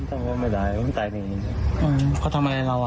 อื้มเขาทำ๊ใยเราอ่ะ